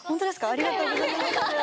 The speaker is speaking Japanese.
ありがとうございます！